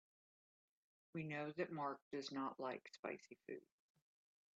We know that Mark does not like spicy food.